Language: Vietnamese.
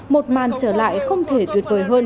một màn trở lại không thể tuyệt vời hơn